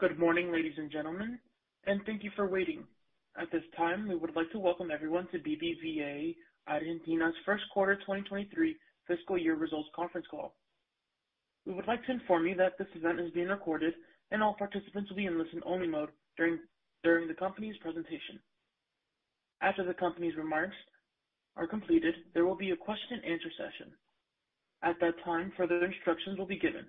Good morning, ladies and gentlemen. Thank you for waiting. At this time, we would like to welcome everyone to BBVA Argentina's First Quarter 2023 Fiscal Year Results Conference Call. We would like to inform you that this event is being recorded and all participants will be in listen-only mode during the company's presentation. After the company's remarks are completed, there will be a question and answer session. At that time, further instructions will be given.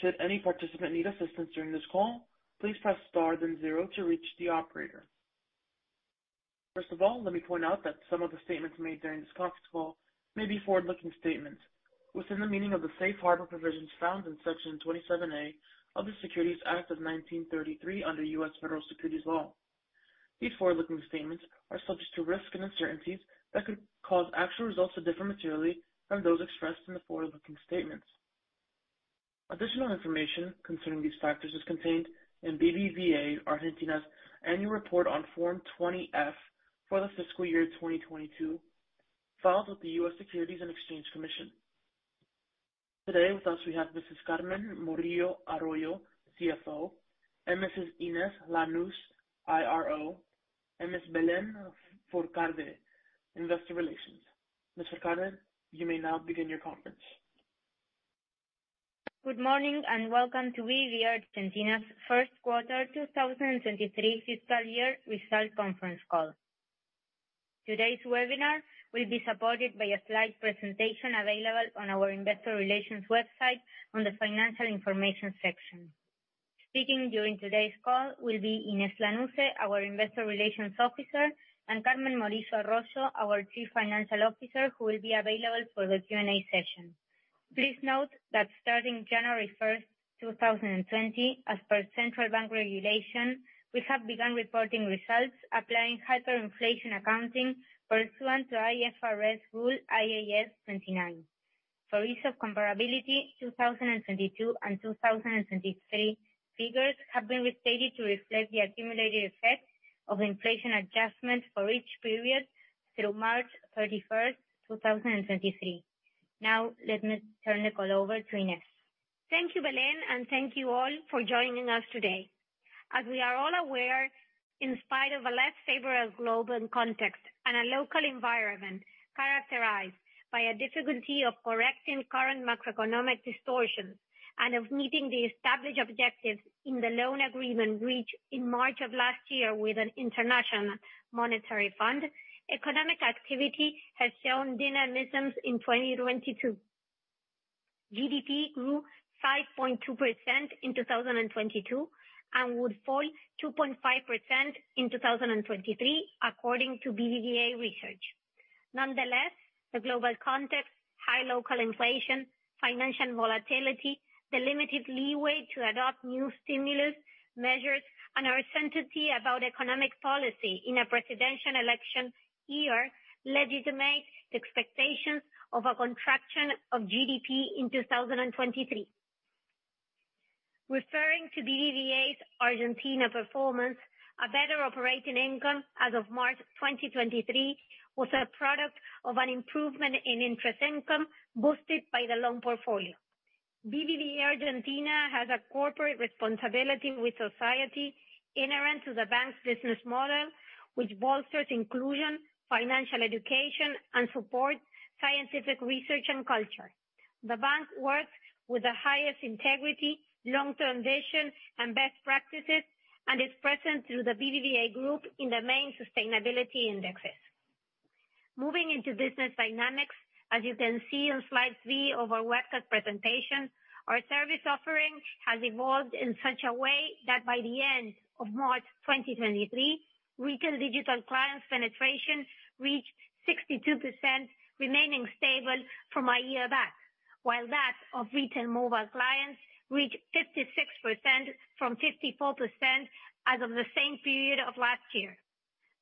Should any participant need assistance during this call, please press star then zero to reach the operator. First of all, let me point out that some of the statements made during this conference call may be forward-looking statements within the meaning of the safe harbor provisions found in Section 27A of the Securities Act of 1933 under U.S. federal securities laws. These forward-looking statements are subject to risks and uncertainties that could cause actual results to differ materially from those expressed in the forward-looking statements. Additional information concerning these factors is contained in BBVA Argentina's Annual Report on Form 20-F for the fiscal year 2022, filed with the U.S. Securities and Exchange Commission. Today with us we have Mrs. Carmen Morillo Arroyo, CFO, and Mrs. Inés Lanusse, IRO, and Ms. Belén Fourcade, Investor Relations. Mrs. Carmen, you may now begin your conference. Good morning and welcome to BBVA Argentina's First Quarter 2023 Fiscal Year Results Conference Call. Today's webinar will be supported by a slide presentation available on our investor relations website on the financial information section. Speaking during today's call will be Inés Lanusse, our Investor Relations Officer, and Carmen Morillo Arroyo, our Chief Financial Officer, who will be available for the Q&A session. Please note that starting January 1st, 2020, as per Central Bank regulation, we have begun reporting results applying hyperinflation accounting pursuant to IFRS Rule IAS 29. For ease of comparability, 2022 and 2023 figures have been restated to reflect the accumulated effect of inflation adjustments for each period through March 31, 2023. Let me turn the call over to Inés. Thank you, Belén, and thank you all for joining us today. As we are all aware, in spite of a less favorable global context and a local environment characterized by a difficulty of correcting current macroeconomic distortions and of meeting the established objectives in the loan agreement reached in March of last year with an International Monetary Fund, economic activity has shown dynamisms in 2022. GDP grew 5.2% in 2022, and would fall 2.5% in 2023, according to BBVA Research. Nonetheless, the global context, high local inflation, financial volatility, the limited leeway to adopt new stimulus measures, and uncertainty about economic policy in a presidential election year legitimate the expectations of a contraction of GDP in 2023. Referring to BBVA's Argentina performance, a better operating income as of March 2023 was a product of an improvement in interest income boosted by the loan portfolio. BBVA Argentina has a corporate responsibility with society inherent to the bank's business model, which bolsters inclusion, financial education, and supports scientific research and culture. The bank works with the highest integrity, long-term vision, and best practices, and is present through the BBVA Group in the main sustainability indexes. Moving into business dynamics, as you can see on slide three of our webcast presentation, our service offering has evolved in such a way that by the end of March 2023, retail digital clients penetration reached 62%, remaining stable from a year back. While that of retail mobile clients reached 56% from 54% as of the same period of last year.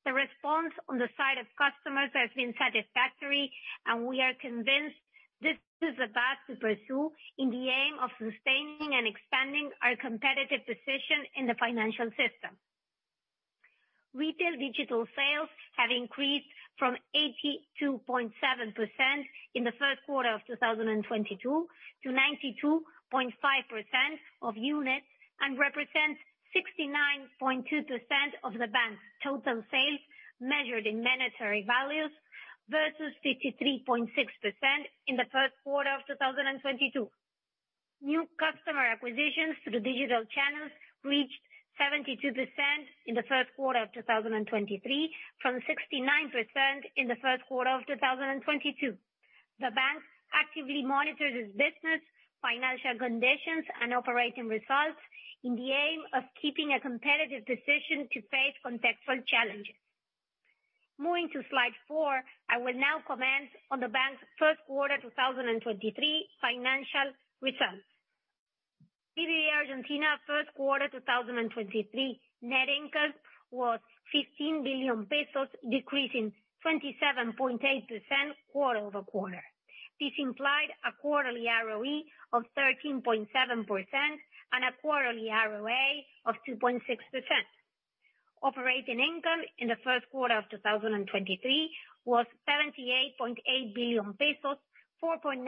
The response on the side of customers has been satisfactory, and we are convinced this is a path to pursue in the aim of sustaining and expanding our competitive position in the financial system. Retail digital sales have increased from 82.7% in the first quarter of 2022 to 92.5% of units, and represents 69.2% of the bank's total sales measured in monetary values versus 53.6% in the first quarter of 2022. New customer acquisitions through the digital channels reached 72% in the first quarter of 2023 from 69% in the first quarter of 2022. The bank actively monitors its business, financial conditions, and operating results in the aim of keeping a competitive position to face contextual challenges. Moving to slide four, I will now comment on the bank's first quarter 2023 financial results. BBVA Argentina first quarter 2023 net income was 15 billion pesos, decreasing 27.8% quarter-over-quarter. This implied a quarterly ROE of 13.7% and a quarterly ROA of 2.6%. Operating income in the first quarter of 2023 was 78.8 billion pesos, 4.9%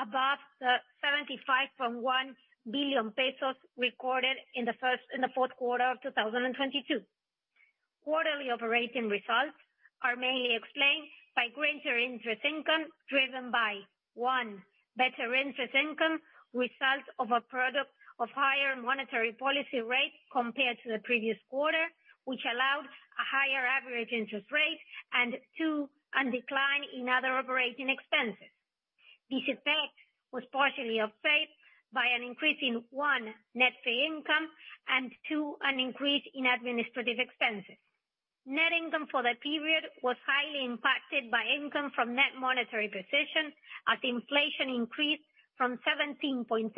above the 75.1 billion pesos recorded in the fourth quarter of 2022. Quarterly operating results are mainly explained by greater interest income, driven by, one, better interest income, result of a product of higher monetary policy rate compared to the previous quarter, which allowed a higher average interest rate. Two, a decline in other operating expenses. This effect was partially offset by an increase in, one, net fee income, and two, an increase in administrative expenses. Net income for the period was highly impacted by income from net monetary positions, as inflation increased from 17.3%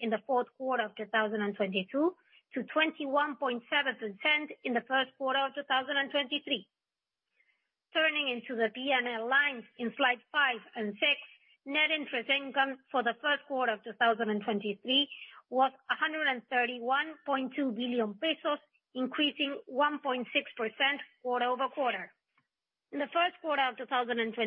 in the fourth quarter of 2022 to 21.7% in the first quarter of 2023. Turning into the P&L lines in slide five and six, net interest income for the first quarter of 2023 was 131.2 billion pesos, increasing 1.6% quarter-over-quarter. In the first quarter of 2023,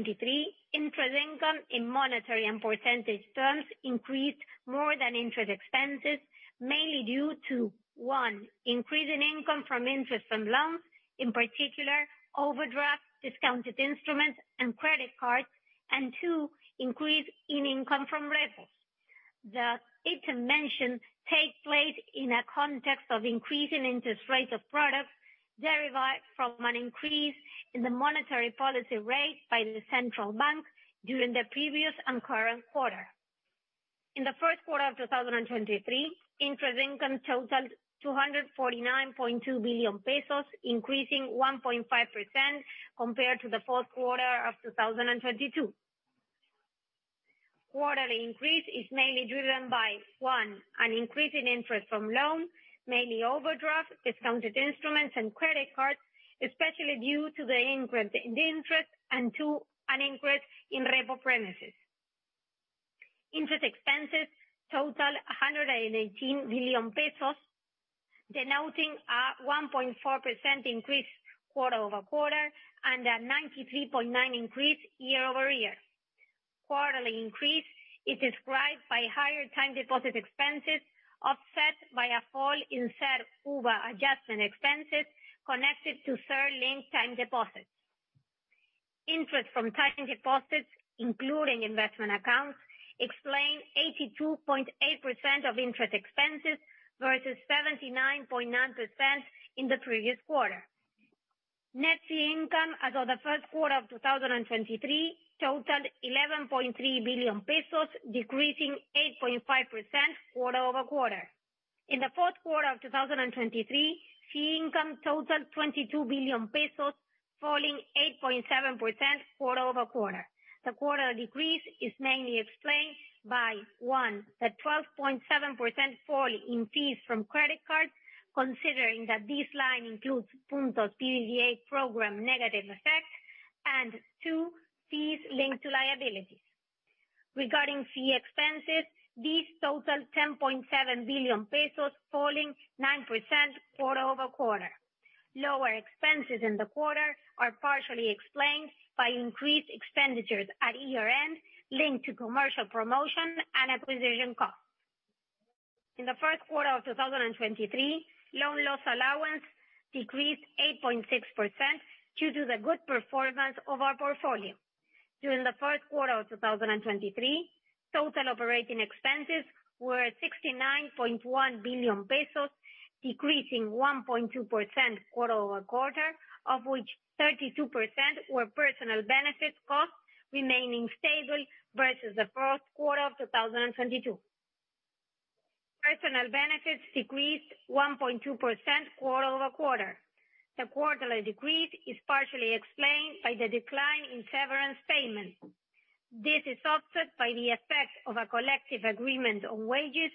interest income in monetary and percentage terms increased more than interest expenses, mainly due to, one, increase in income from interest from loans, in particular, overdraft, discounted instruments and credit cards. Two, increase in income from repos. The item mentioned takes place in a context of increasing interest rates of products derived from an increase in the monetary policy rate by the Central Bank during the previous and current quarter. In the first quarter of 2023, interest income totaled 249.2 billion pesos, increasing 1.5% compared to the fourth quarter of 2022. Quarterly increase is mainly driven by, one, an increase in interest from loan, mainly overdraft, discounted instruments and credit cards, especially due to the increase in the interest. Two, an increase in repo premises. Interest expenses total 118 billion pesos, denoting a 1.4% increase quarter-over-quarter and a 93.9% increase year-over-year. Quarterly increase is described by higher time deposit expenses offset by a fall in CER-UVA adjustment expenses connected to CER-linked time deposits. Interest from time deposits, including investment accounts, explain 82.8% of interest expenses versus 79.9% in the previous quarter. Net fee income as of the first quarter of 2023 totaled 11.3 billion pesos, decreasing 8.5% quarter-over-quarter. In the fourth quarter of 2023, fee income totaled 22 billion pesos, falling 8.7% quarter-over-quarter. The quarter decrease is mainly explained by, one, the 12.7% fall in fees from credit cards, considering that this line includes Puntos BBVA program negative effect. Two, fees linked to liabilities. Regarding fee expenses, these totaled 10.7 billion pesos, falling 9% quarter-over-quarter. Lower expenses in the quarter are partially explained by increased expenditures at year-end linked to commercial promotion and acquisition costs. In the first quarter of 2023, loan loss allowance decreased 8.6% due to the good performance of our portfolio. During the first quarter of 2023, total operating expenses were 69.1 billion pesos, decreasing 1.2% quarter-over-quarter, of which 32% were personal benefit costs remaining stable versus the first quarter of 2022. Personal benefits decreased 1.2% quarter-over-quarter. The quarterly decrease is partially explained by the decline in severance payments. This is offset by the effect of a collective agreement on wages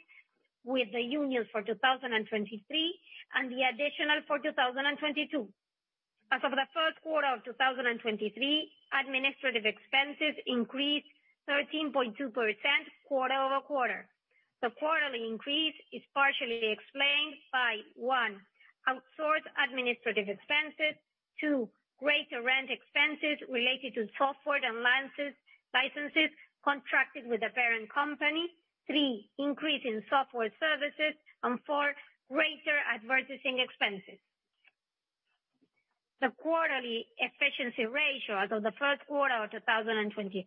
with the union for 2023 and the additional for 2022. As of the first quarter of 2023, administrative expenses increased 13.2% quarter-over-quarter. The quarterly increase is partially explained by, one, outsourced administrative expenses. Two, greater rent expenses related to software and licenses contracted with the parent company. Three, increase in software services. Four, greater advertising expenses. The quarterly efficiency ratio as of the first quarter of 2023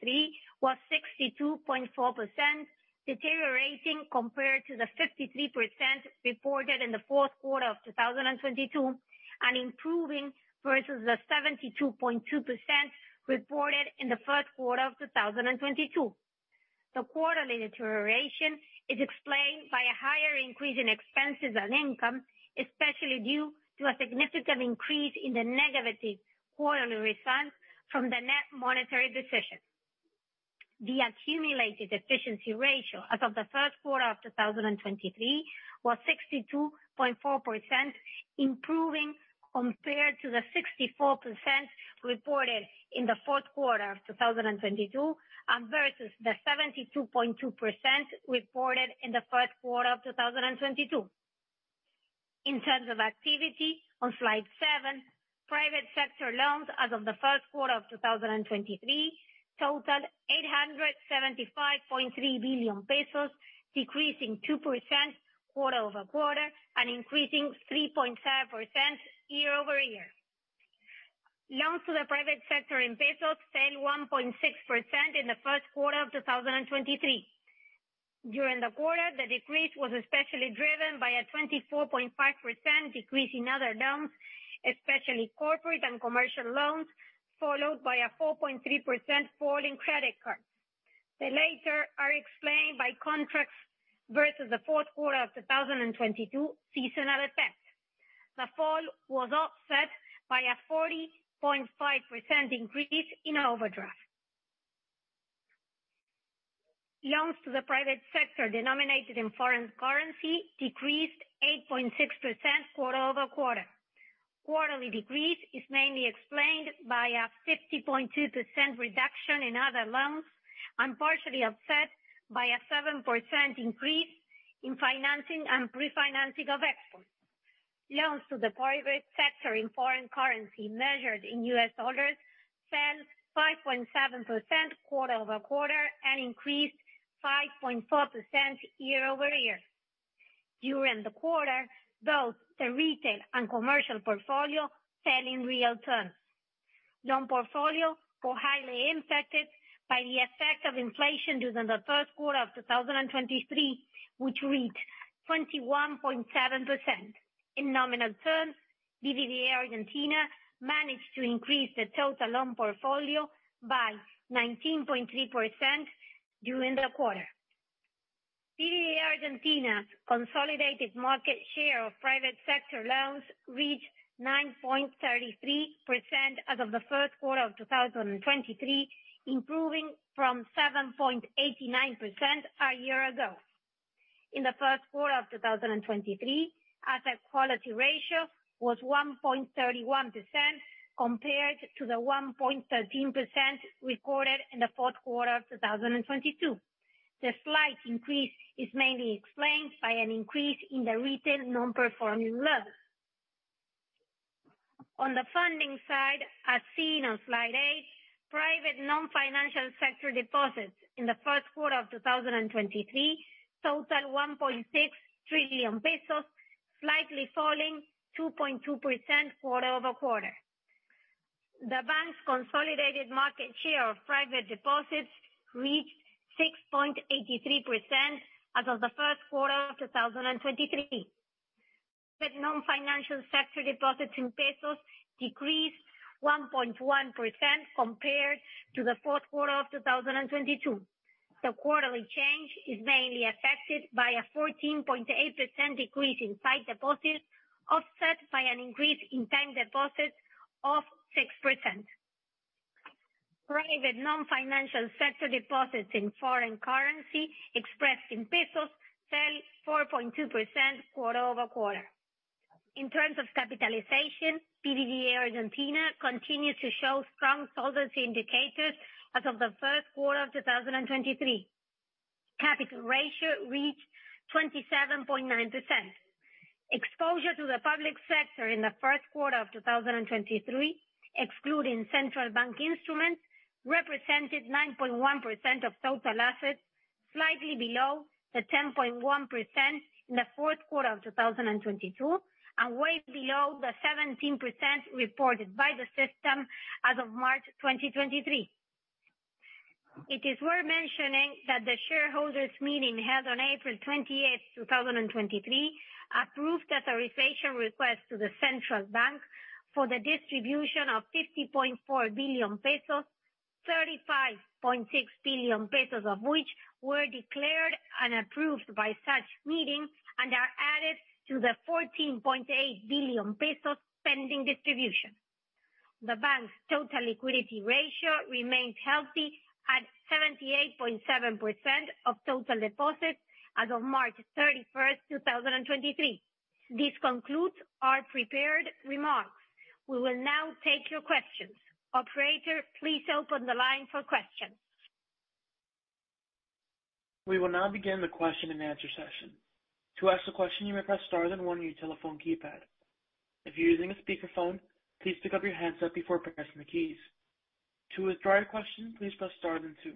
was 62.4%, deteriorating compared to the 53% reported in the fourth quarter of 2022, and improving versus the 72.2% reported in the first quarter of 2022. The quarterly deterioration is explained by a higher increase in expenses and income, especially due to a significant increase in the negative quarterly results from the net monetary decision. The accumulated efficiency ratio as of the first quarter of 2023 was 62.4%, improving compared to the 64% reported in the fourth quarter of 2022, and versus the 72.2% reported in the first quarter of 2022. In terms of activity on slide seven, private sector loans as of the first quarter of 2023 totaled 875.3 billion pesos, decreasing 2% quarter-over-quarter and increasing 3.5% year-over-year. Loans to the private sector in pesos fell 1.6% in the first quarter of 2023. During the quarter, the decrease was especially driven by a 24.5% decrease in other loans, especially corporate and commercial loans, followed by a 4.3% fall in credit cards. The later are explained by contracts versus the fourth quarter of 2022 seasonal effect. The fall was offset by a 40.5% increase in overdraft. Loans to the private sector denominated in foreign currency decreased 8.6% quarter-over-quarter. Quarterly decrease is mainly explained by a 50.2% reduction in other loans and partially offset by a 7% increase in financing and refinancing of exports. Loans to the private sector in foreign currency measured in U.S. dollars fell 5.7% quarter-over-quarter and increased 5.4% year-over-year. During the quarter, both the retail and commercial portfolio fell in real terms. Loan portfolio were highly impacted by the effect of inflation during the first quarter of 2023, which reached 21.7%. In nominal terms, BBVA Argentina managed to increase the total loan portfolio by 19.3% during the quarter. BBVA Argentina's consolidated market share of private sector loans reached 9.33% as of the first quarter of 2023, improving from 7.89% a year ago. In the first quarter of 2023, asset quality ratio was 1.31% compared to the 1.13% recorded in the fourth quarter of 2022. The slight increase is mainly explained by an increase in the retail non-performing loans. On the funding side, as seen on slide eight, private non-financial sector deposits in the first quarter of 2023 total 1.6 trillion pesos, slightly falling 2.2% quarter-over-quarter. The bank's consolidated market share of private deposits reached 6.83% as of the first quarter of 2023. The non-financial sector deposits in pesos decreased 1.1% compared to the fourth quarter of 2022. The quarterly change is mainly affected by a 14.8% decrease in sight deposits, offset by an increase in time deposits of 6%. Private non-financial sector deposits in foreign currency expressed in pesos fell 4.2% quarter-over-quarter. In terms of capitalization, BBVA Argentina continues to show strong solvency indicators as of the first quarter of 2023. Capital ratio reached 27.9%. Exposure to the public sector in the first quarter of 2023, excluding Central Bank instruments, represented 9.1% of total assets, slightly below the 10.1% in the fourth quarter of 2022. Way below the 17% reported by the system as of March 2023. It is worth mentioning that the shareholders meeting held on April 28th, 2023, approved authorization request to the Central Bank for the distribution of 50.4 billion pesos. 35.6 billion pesos of which were declared and approved by such meeting, are added to the 14.8 billion pesos pending distribution. The bank's total liquidity ratio remained healthy at 78.7% of total deposits as of March 31st, 2023. This concludes our prepared remarks. We will now take your questions. Operator, please open the line for questions. We will now begin the question and answer session. To ask a question, you may press star then one on your telephone keypad. If you're using a speakerphone, please pick up your handset before pressing the keys. To withdraw your question, please press star then two.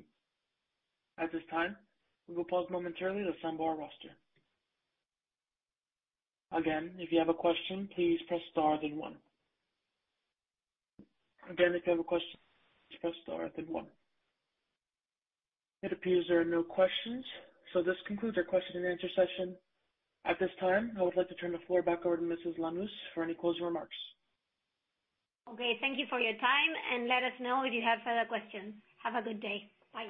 At this time, we will pause momentarily to assemble our roster. Again, if you have a question, please press star then one. Again, if you have a question, press star then one. It appears there are no questions. This concludes our question and answer session. At this time, I would like to turn the floor back over to Mrs. Lanusse for any closing remarks. Okay, thank you for your time. Let us know if you have further questions. Have a good day. Bye.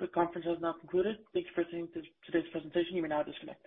The conference has now concluded. Thank you for attending today's presentation. You may now disconnect.